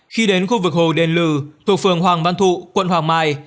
khi đến khu vực hồ đền lừ thuộc phường hoàng văn thụ quận hoàng mai